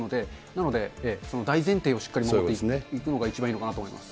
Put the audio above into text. なので、その大前提をしっかり守っていくのが一番いいのかなと思います。